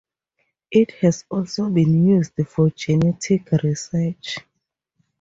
It has also been used for genetic research.